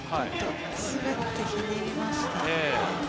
滑ってひねりましたかね。